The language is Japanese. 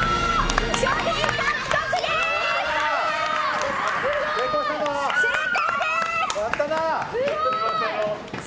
賞品獲得です。